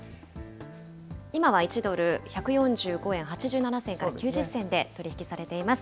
今は１ドル１４５円８７銭から９０銭で取り引きされています。